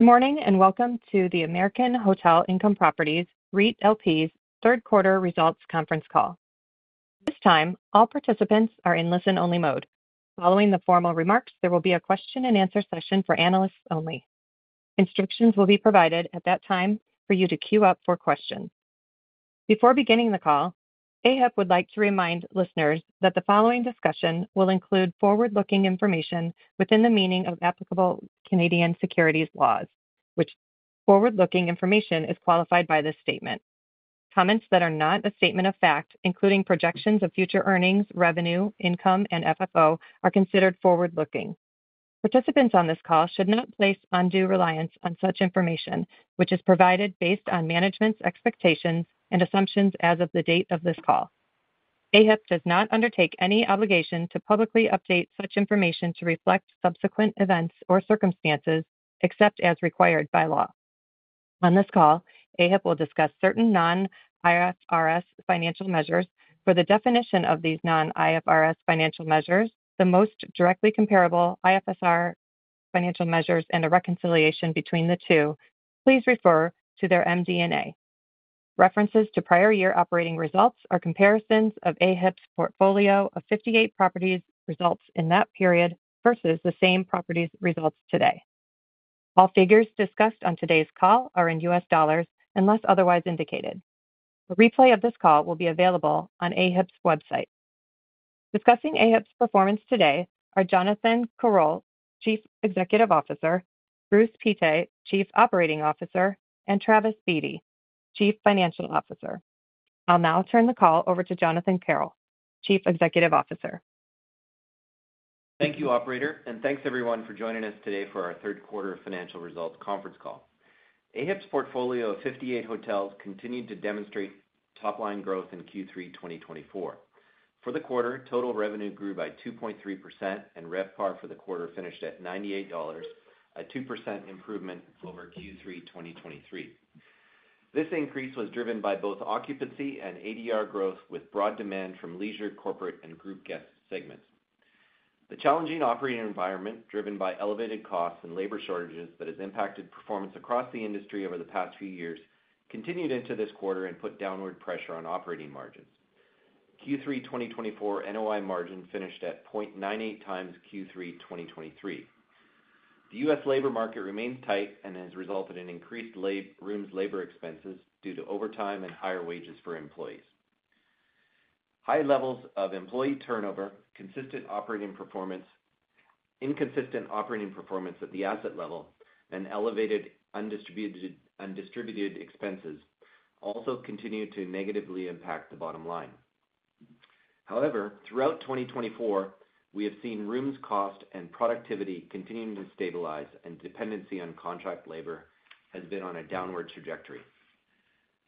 Good morning and welcome to the American Hotel Income Properties REIT LP's third quarter results conference call. This time, all participants are in listen-only mode. Following the formal remarks, there will be a question-and-answer session for analysts only. Instructions will be provided at that time for you to queue up for questions. Before beginning the call, AHIP would like to remind listeners that the following discussion will include forward-looking information within the meaning of applicable Canadian securities laws, which forward-looking information is qualified by this statement. Comments that are not a statement of fact, including projections of future earnings, revenue, income, and FFO, are considered forward-looking. Participants on this call should not place undue reliance on such information, which is provided based on management's expectations and assumptions as of the date of this call. AHIP does not undertake any obligation to publicly update such information to reflect subsequent events or circumstances except as required by law. On this call, AHIP will discuss certain non-IFRS financial measures. For the definition of these non-IFRS financial measures, the most directly comparable IFRS financial measures and a reconciliation between the two, please refer to their MD&A. References to prior year operating results are comparisons of AHIP's portfolio of 58 properties' results in that period versus the same properties' results today. All figures discussed on today's call are in US dollars unless otherwise indicated. A replay of this call will be available on AHIP's website. Discussing AHIP's performance today are Jonathan Korol, Chief Executive Officer; Bruce Pittet, Chief Operating Officer; and Travis Beatty, Chief Financial Officer. I'll now turn the call over to Jonathan Korol, Chief Executive Officer. Thank you, Operator, and thanks everyone for joining us today for our third quarter financial results conference call. AHIP's portfolio of 58 hotels continued to demonstrate top-line growth in Q3 2024. For the quarter, total revenue grew by 2.3%, and RevPAR for the quarter finished at $98, a 2% improvement over Q3 2023. This increase was driven by both occupancy and ADR growth, with broad demand from leisure, corporate, and group guest segments. The challenging operating environment, driven by elevated costs and labor shortages, that has impacted performance across the industry over the past few years, continued into this quarter and put downward pressure on operating margins. Q3 2024 NOI margin finished at 0.98x Q3 2023. The U.S. labor market remained tight and has resulted in increased rooms labor expenses due to overtime and higher wages for employees. High levels of employee turnover, inconsistent operating performance at the asset level, and elevated undistributed expenses also continue to negatively impact the bottom line. However, throughout 2024, we have seen rooms cost and productivity continuing to stabilize, and dependency on contract labor has been on a downward trajectory.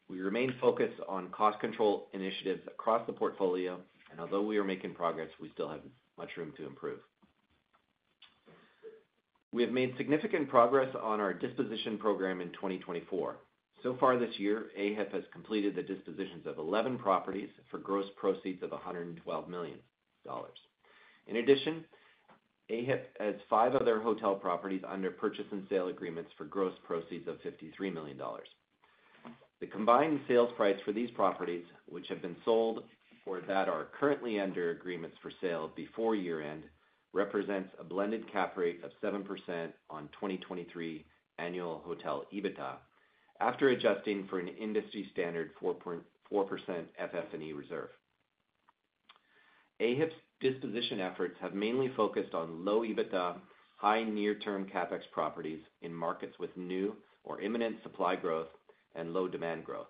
We remain focused on cost control initiatives across the portfolio, and although we are making progress, we still have much room to improve. We have made significant progress on our disposition program in 2024. So far this year, AHIP has completed the dispositions of 11 properties for gross proceeds of $112 million. In addition, AHIP has five other hotel properties under purchase and sale agreements for gross proceeds of $53 million. The combined sales price for these properties, which have been sold or that are currently under agreements for sale before year-end, represents a blended cap rate of 7% on 2023 annual hotel EBITDA after adjusting for an industry standard 4% FF&E reserve. AHIP's disposition efforts have mainly focused on low EBITDA, high near-term CapEx properties in markets with new or imminent supply growth and low demand growth.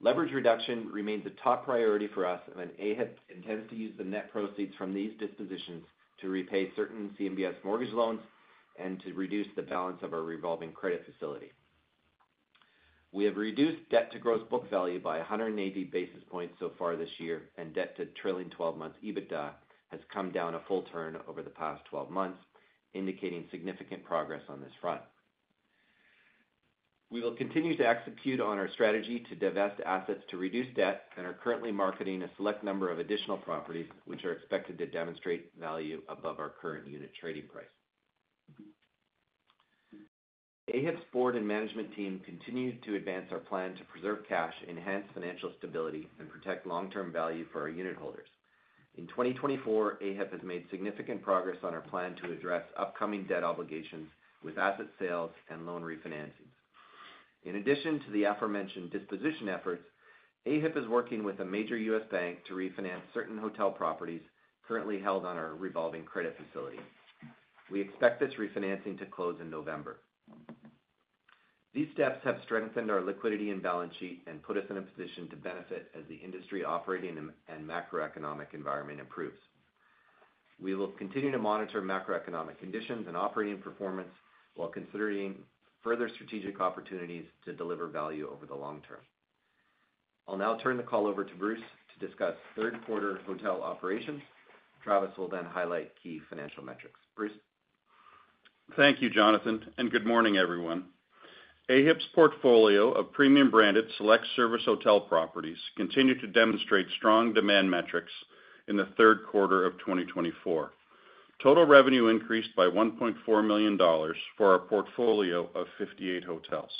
Leverage reduction remains a top priority for us, and AHIP intends to use the net proceeds from these dispositions to repay certain CMBS mortgage loans and to reduce the balance of our revolving credit facility. We have reduced debt to gross book value by 180 basis points so far this year, and debt to trailing 12 months EBITDA has come down a full turn over the past 12 months, indicating significant progress on this front. We will continue to execute on our strategy to divest assets to reduce debt and are currently marketing a select number of additional properties which are expected to demonstrate value above our current unit trading price. AHIP's board and management team continue to advance our plan to preserve cash, enhance financial stability, and protect long-term value for our unit holders. In 2024, AHIP has made significant progress on our plan to address upcoming debt obligations with asset sales and loan refinancing. In addition to the aforementioned disposition efforts, AHIP is working with a major U.S. bank to refinance certain hotel properties currently held on our revolving credit facility. We expect this refinancing to close in November. These steps have strengthened our liquidity and balance sheet and put us in a position to benefit as the industry operating and macroeconomic environment improves. We will continue to monitor macroeconomic conditions and operating performance while considering further strategic opportunities to deliver value over the long term. I'll now turn the call over to Bruce to discuss third quarter hotel operations. Travis will then highlight key financial metrics. Bruce. Thank you, Jonathan, and good morning, everyone. AHIP's portfolio of premium-branded select service hotel properties continued to demonstrate strong demand metrics in the third quarter of 2024. Total revenue increased by $1.4 million for our portfolio of 58 hotels.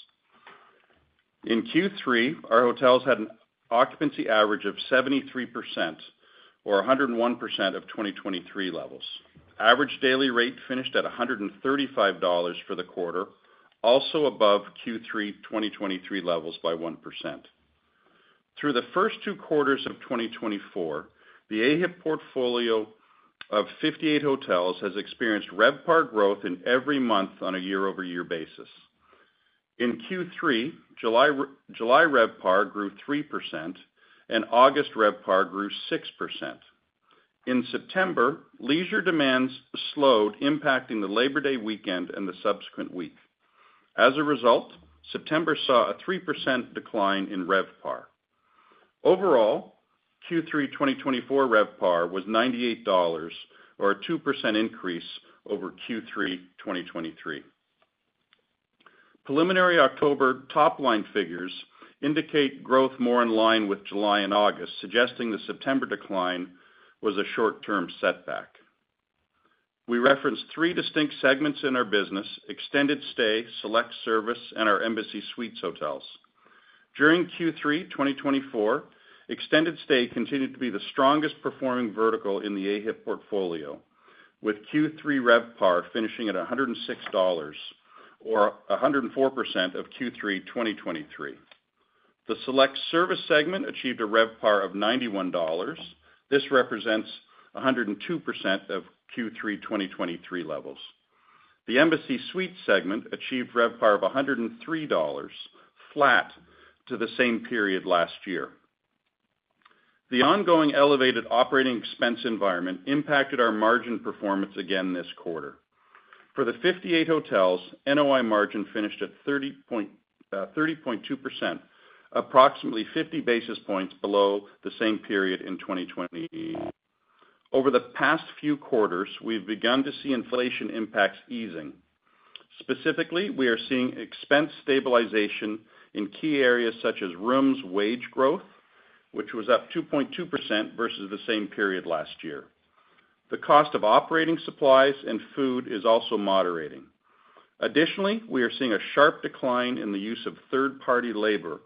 In Q3, our hotels had an occupancy average of 73%, or 101% of 2023 levels. Average daily rate finished at $135 for the quarter, also above Q3 2023 levels by 1%. Through the first two quarters of 2024, the AHIP portfolio of 58 hotels has experienced RevPAR growth in every month on a year-over-year basis. In Q3, July RevPAR grew 3%, and August RevPAR grew 6%. In September, leisure demands slowed, impacting the Labor Day weekend and the subsequent week. As a result, September saw a 3% decline in RevPAR. Overall, Q3 2024 RevPAR was $98, or a 2% increase over Q3 2023. Preliminary October top-line figures indicate growth more in line with July and August, suggesting the September decline was a short-term setback. We referenced three distinct segments in our business: Extended Stay, Select Service, and our Embassy Suites hotels. During Q3 2024, Extended Stay continued to be the strongest performing vertical in the AHIP portfolio, with Q3 RevPAR finishing at $106, or 104% of Q3 2023. The Select Service segment achieved a RevPAR of $91. This represents 102% of Q3 2023 levels. The Embassy Suites segment achieved RevPAR of $103, flat to the same period last year. The ongoing elevated operating expense environment impacted our margin performance again this quarter. For the 58 hotels, NOI margin finished at 30.2%, approximately 50 basis points below the same period in 2020. Over the past few quarters, we've begun to see inflation impacts easing. Specifically, we are seeing expense stabilization in key areas such as rooms wage growth, which was up 2.2% versus the same period last year. The cost of operating supplies and food is also moderating. Additionally, we are seeing a sharp decline in the use of third-party labor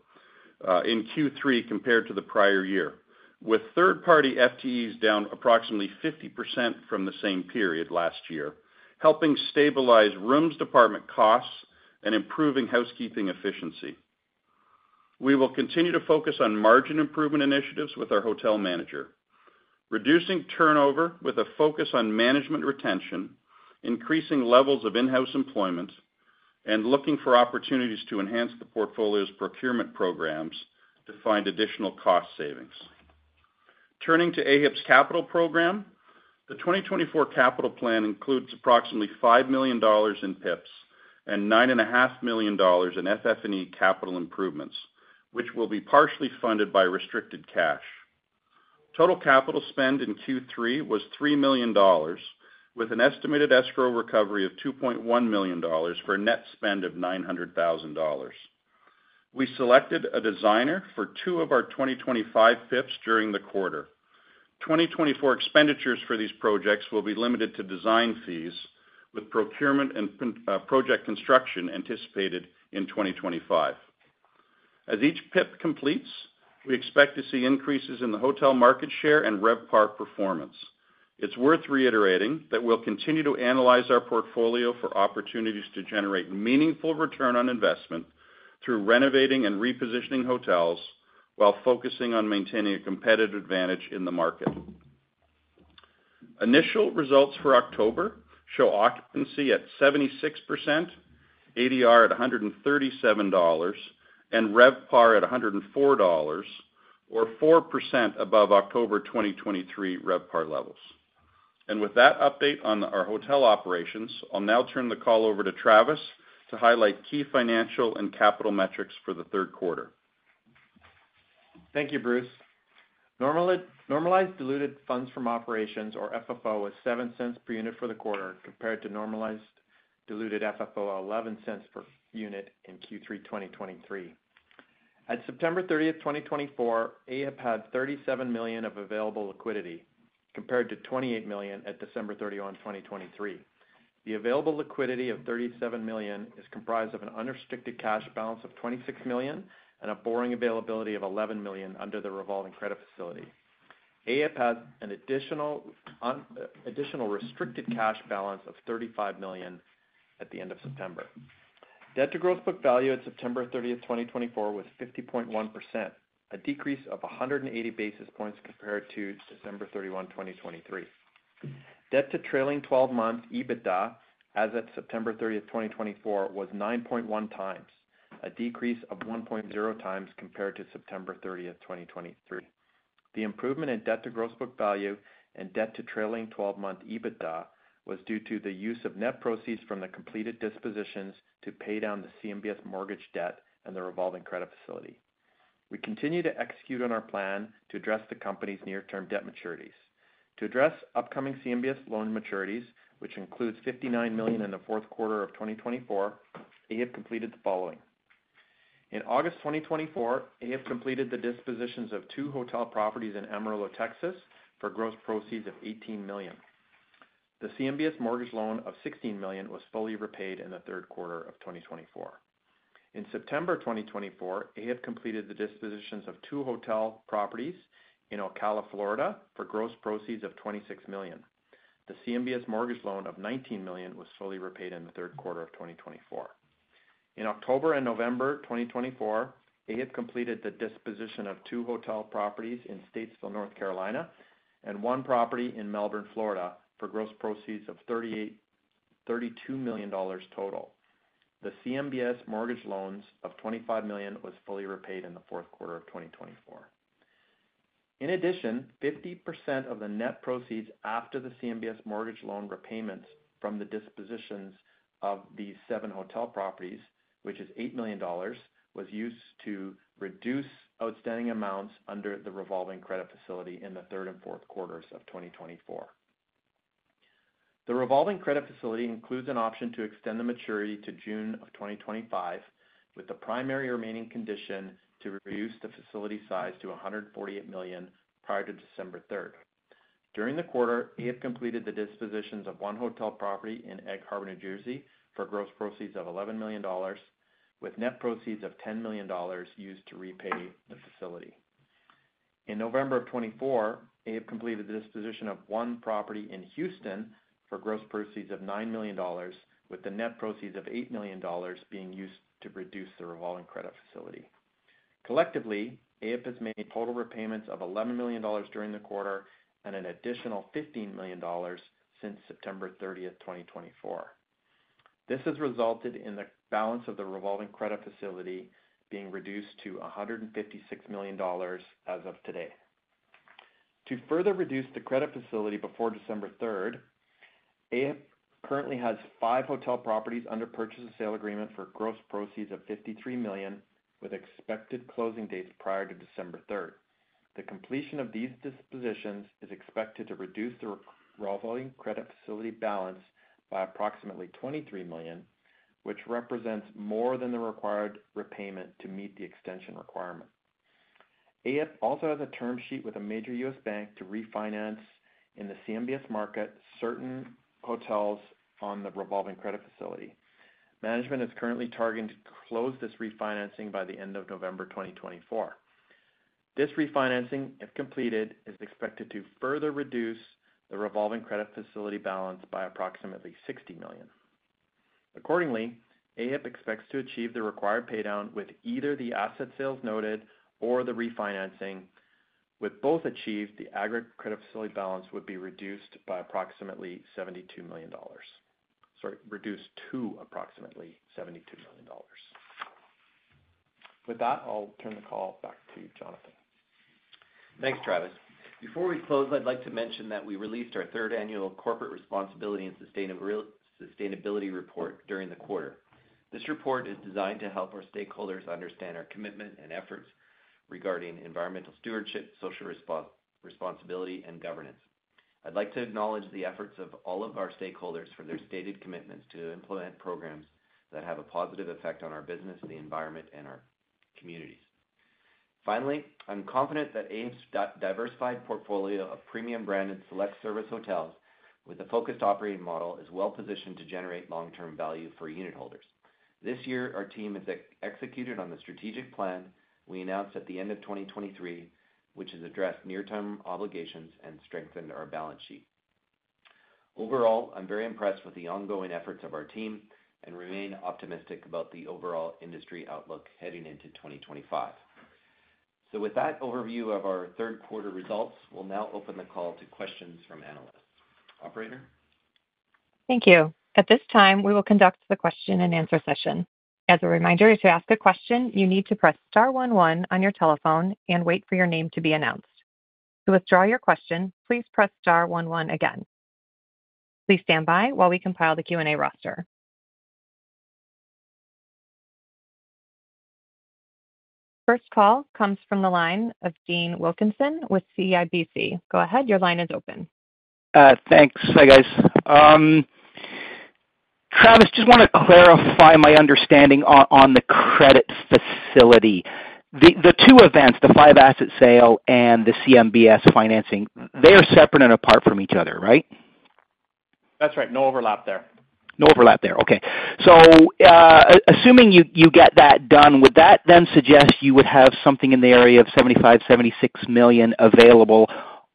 in Q3 compared to the prior year, with third-party FTEs down approximately 50% from the same period last year, helping stabilize rooms department costs and improving housekeeping efficiency. We will continue to focus on margin improvement initiatives with our hotel manager, reducing turnover with a focus on management retention, increasing levels of in-house employment, and looking for opportunities to enhance the portfolio's procurement programs to find additional cost savings. Turning to AHIP's capital program, the 2024 capital plan includes approximately $5 million in PIPs and $9.5 million in FF&E capital improvements, which will be partially funded by restricted cash. Total capital spend in Q3 was $3 million, with an estimated escrow recovery of $2.1 million for a net spend of $900,000. We selected a designer for two of our 2025 PIPs during the quarter. 2024 expenditures for these projects will be limited to design fees, with procurement and project construction anticipated in 2025. As each PIP completes, we expect to see increases in the hotel market share and RevPAR performance. It's worth reiterating that we'll continue to analyze our portfolio for opportunities to generate meaningful return on investment through renovating and repositioning hotels while focusing on maintaining a competitive advantage in the market. Initial results for October show occupancy at 76%, ADR at $137, and RevPAR at $104, or 4% above October 2023 RevPAR levels. With that update on our hotel operations, I'll now turn the call over to Travis to highlight key financial and capital metrics for the third quarter. Thank you, Bruce. Normalized diluted funds from operations, or FFO, was $0.07 per unit for the quarter compared to normalized diluted FFO of $0.11 per unit in Q3 2023. At September 30, 2024, AHIP had $37 million of available liquidity compared to $28 million at December 31, 2023. The available liquidity of $37 million is comprised of an unrestricted cash balance of $26 million and a borrowing availability of $11 million under the revolving credit facility. AHIP has an additional restricted cash balance of $35 million at the end of September. Debt to gross book value at September 30, 2024, was 50.1%, a decrease of 180 basis points compared to December 31, 2023. Debt to trailing 12 months EBITDA, as of September 30, 2024, was 9.1x, a decrease of 1.0x compared to September 30, 2023. The improvement in debt to gross book value and debt to trailing 12-month EBITDA was due to the use of net proceeds from the completed dispositions to pay down the CMBS mortgage debt and the revolving credit facility. We continue to execute on our plan to address the company's near-term debt maturities. To address upcoming CMBS loan maturities, which includes $59 million in the fourth quarter of 2024, AHIP completed the following. In August 2024, AHIP completed the dispositions of two hotel properties in Amarillo, Texas, for gross proceeds of $18 million. The CMBS mortgage loan of $16 million was fully repaid in the third quarter of 2024. In September 2024, AHIP completed the dispositions of two hotel properties in Ocala, Florida, for gross proceeds of $26 million. The CMBS mortgage loan of $19 million was fully repaid in the third quarter of 2024. In October and November 2024, AHIP completed the disposition of two hotel properties in Statesville, North Carolina, and one property in Melbourne, Florida, for gross proceeds of $32 million total. The CMBS mortgage loans of $25 million was fully repaid in the fourth quarter of 2024. In addition, 50% of the net proceeds after the CMBS mortgage loan repayments from the dispositions of these seven hotel properties, which is $8 million, was used to reduce outstanding amounts under the revolving credit facility in the third and fourth quarters of 2024. The revolving credit facility includes an option to extend the maturity to June of 2025, with the primary remaining condition to reduce the facility size to $148 million prior to December 3rd. During the quarter, AHIP completed the dispositions of one hotel property in Egg Harbor, New Jersey, for gross proceeds of $11 million, with net proceeds of $10 million used to repay the facility. In November of 2024, AHIP completed the disposition of one property in Houston for gross proceeds of $9 million, with the net proceeds of $8 million being used to reduce the revolving credit facility. Collectively, AHIP has made total repayments of $11 million during the quarter and an additional $15 million since September 30, 2024. This has resulted in the balance of the revolving credit facility being reduced to $156 million as of today. To further reduce the credit facility before December 3rd, AHIP currently has five hotel properties under purchase and sale agreement for gross proceeds of $53 million, with expected closing dates prior to December 3rd. The completion of these dispositions is expected to reduce the revolving credit facility balance by approximately $23 million, which represents more than the required repayment to meet the extension requirement. AHIP also has a term sheet with a major U.S. bank to refinance in the CMBS market certain hotels on the revolving credit facility. Management is currently targeting to close this refinancing by the end of November 2024. This refinancing, if completed, is expected to further reduce the revolving credit facility balance by approximately $60 million. Accordingly, AHIP expects to achieve the required paydown with either the asset sales noted or the refinancing. With both achieved, the aggregate credit facility balance would be reduced by approximately $72 million, sorry, reduced to approximately $72 million. With that, I'll turn the call back to Jonathan. Thanks, Travis. Before we close, I'd like to mention that we released our third annual Corporate Responsibility and Sustainability Report during the quarter. This report is designed to help our stakeholders understand our commitment and efforts regarding environmental stewardship, social responsibility, and governance. I'd like to acknowledge the efforts of all of our stakeholders for their stated commitments to implement programs that have a positive effect on our business, the environment, and our communities. Finally, I'm confident that AHIP's diversified portfolio of premium-branded select service hotels with a focused operating model is well-positioned to generate long-term value for unit holders. This year, our team has executed on the strategic plan we announced at the end of 2023, which has addressed near-term obligations and strengthened our balance sheet. Overall, I'm very impressed with the ongoing efforts of our team and remain optimistic about the overall industry outlook heading into 2025. So with that overview of our third quarter results, we'll now open the call to questions from analysts. Operator? Thank you. At this time, we will conduct the question-and-answer session. As a reminder, to ask a question, you need to press star one one on your telephone and wait for your name to be announced. To withdraw your question, please press star 11 again. Please stand by while we compile the Q&A roster. First call comes from the line of Dean Wilkinson with CIBC. Go ahead. Your line is open. Thanks. Hi, guys. Travis, just want to clarify my understanding on the credit facility. The two events, the five-asset sale and the CMBS financing, they are separate and apart from each other, right? That's right. No overlap there. No overlap there. Okay. So assuming you get that done, would that then suggest you would have something in the area of $75 million-$76 million available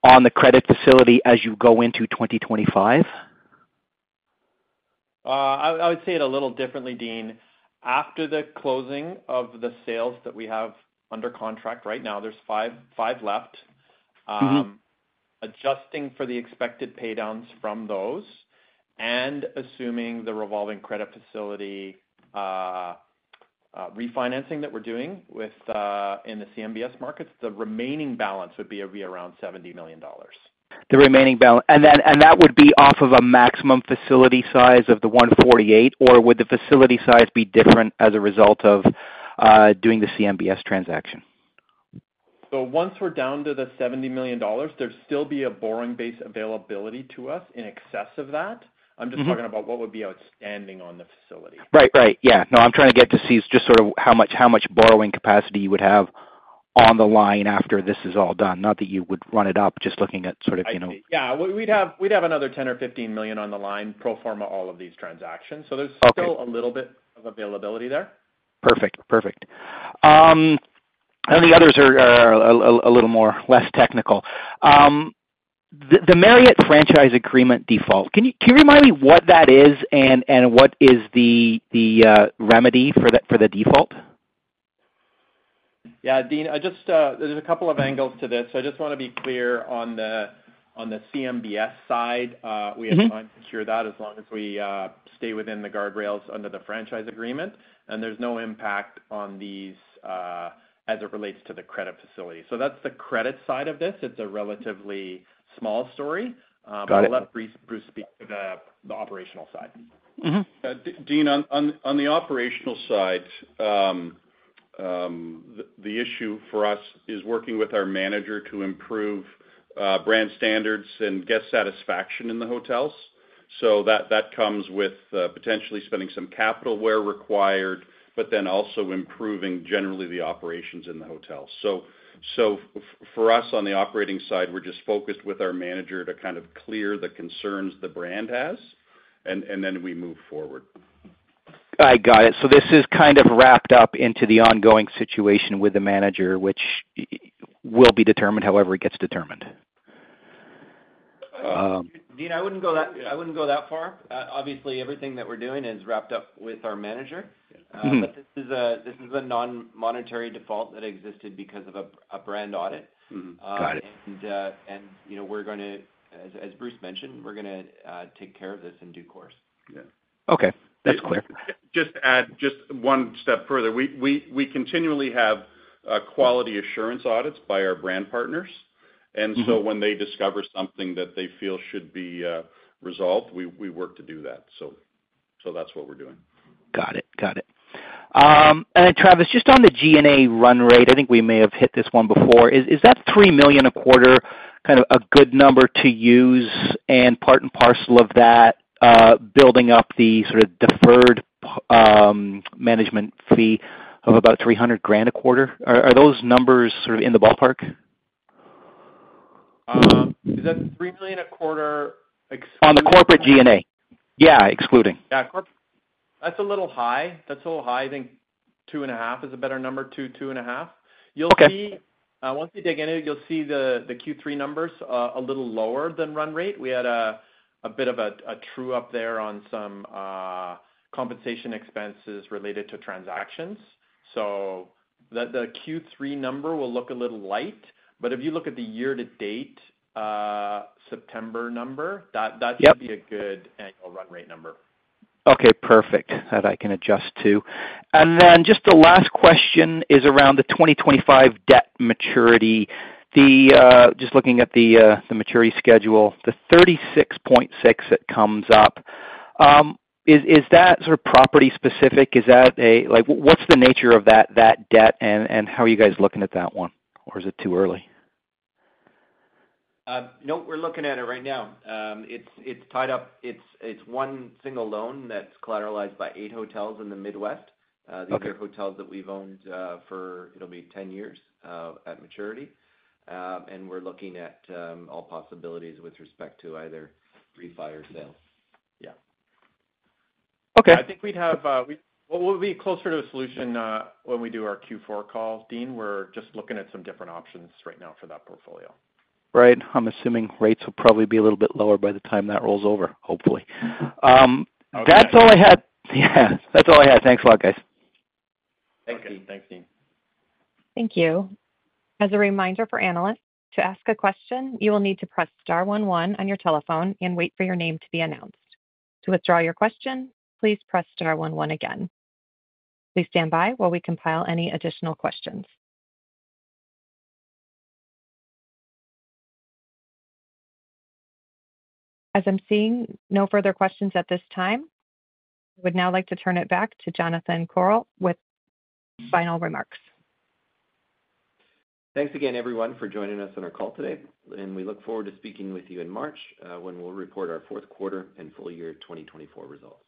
on the credit facility as you go into 2025? I would say it a little differently, Dean. After the closing of the sales that we have under contract right now, there's five left, adjusting for the expected paydowns from those. And assuming the revolving credit facility refinancing that we're doing in the CMBS markets, the remaining balance would be around $70 million. The remaining balance. And that would be off of a maximum facility size of the 148, or would the facility size be different as a result of doing the CMBS transaction? So once we're down to the $70 million, there'd still be a borrowing base availability to us in excess of that. I'm just talking about what would be outstanding on the facility. Right, right. Yeah. No, I'm trying to get to see just sort of how much borrowing capacity you would have on the line after this is all done, not that you would run it up just looking at sort of. Yeah. We'd have another $10 million or $15 million on the line pro forma all of these transactions. So there's still a little bit of availability there. Perfect. Perfect. And the others are a little more less technical. The Marriott franchise agreement default, can you remind me what that is and what is the remedy for the default? Yeah. Dean, there's a couple of angles to this. I just want to be clear on the CMBS side. We have time to cure that as long as we stay within the guardrails under the franchise agreement. And there's no impact on these as it relates to the credit facility. So that's the credit side of this. It's a relatively small story. But I'll let Bruce speak to the operational side. Dean, on the operational side, the issue for us is working with our manager to improve brand standards and guest satisfaction in the hotels. So that comes with potentially spending some capital where required, but then also improving generally the operations in the hotels. So for us on the operating side, we're just focused with our manager to kind of clear the concerns the brand has, and then we move forward. I got it. So this is kind of wrapped up into the ongoing situation with the manager, which will be determined however it gets determined. Dean, I wouldn't go that far. Obviously, everything that we're doing is wrapped up with our manager. But this is a non-monetary default that existed because of a brand audit. And we're going to, as Bruce mentioned, we're going to take care of this in due course. Yeah. Okay. That's clear. Just one step further. We continually have quality assurance audits by our brand partners. And so when they discover something that they feel should be resolved, we work to do that. So that's what we're doing. Got it. Got it. And Travis, just on the G&A run rate, I think we may have hit this one before. Is that $3 million a quarter kind of a good number to use and part and parcel of that building up the sort of deferred management fee of about $300,000 a quarter? Are those numbers sort of in the ballpark? Is that $3 million a quarter excluding? On the corporate G&A. Yeah, excluding. Yeah. That's a little high. That's a little high. I think two and a half is a better number, two, two and a half. Once you dig into it, you'll see the Q3 numbers a little lower than run rate. We had a bit of a true-up there on some compensation expenses related to transactions. So the Q3 number will look a little light. But if you look at the year-to-date September number, that should be a good annual run rate number. Okay. Perfect. That I can adjust to. And then just the last question is around the 2025 debt maturity. Just looking at the maturity schedule, the 36.6 that comes up, is that sort of property-specific? What's the nature of that debt and how are you guys looking at that one? Or is it too early? No, we're looking at it right now. It's tied up. It's one single loan that's collateralized by eight hotels in the Midwest. These are hotels that we've owned for, it'll be 10 years at maturity. And we're looking at all possibilities with respect to either refi or sale. Yeah. Okay. I think we'd have what would be closer to a solution when we do our Q4 call, Dean? We're just looking at some different options right now for that portfolio. Right. I'm assuming rates will probably be a little bit lower by the time that rolls over, hopefully. That's all I had. Yeah. That's all I had. Thanks a lot, guys. Thanks, Dean. Thanks, Dean. Thank you. As a reminder for analysts, to ask a question, you will need to press star one one on your telephone and wait for your name to be announced. To withdraw your question, please press star one one again. Please stand by while we compile any additional questions. As I'm seeing no further questions at this time, I would now like to turn it back to Jonathan Korol with final remarks. Thanks again, everyone, for joining us on our call today. And we look forward to speaking with you in March when we'll report our fourth quarter and full year 2024 results.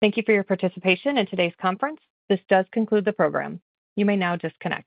Thank you for your participation in today's conference. This does conclude the program. You may now disconnect.